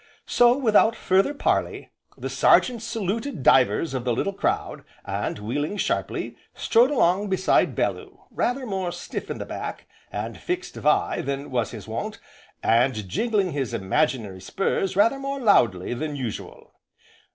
So, without further parley, the Sergeant saluted divers of the little crowd, and, wheeling sharply, strode along beside Bellew, rather more stiff in the back, and fixed of eye than was his wont, and jingling his imaginary spurs rather more loudly than usual.